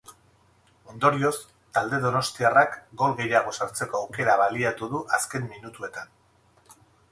Ondorioz, talde donostiarrak gol gehiago sartzeko aukera baliatu du azken minutuetan.